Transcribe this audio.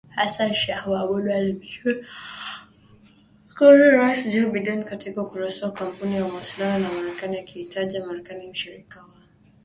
Hassan Sheikh Mohamud alimshukuru Rais Joe Biden katika ukurasa wa Kampuni ya mawasiliano ya Marekani akiitaja Marekani mshirika wa kutegemewa.